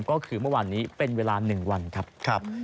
ก็คือเมื่อวานนี้เป็นเวลา๑วันครับ